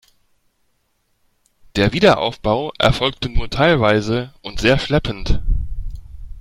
Der Wiederaufbau erfolgte nur teilweise und sehr schleppend.